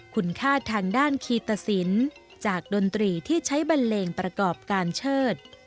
คุณค่าทางด้านคีตสินจากดนตรีที่ใช้บันเลงประกอบการเชิด